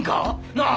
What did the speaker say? なあ！